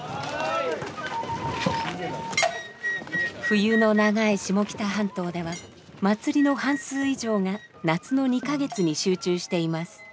冬の長い下北半島では祭りの半数以上が夏の２か月に集中しています。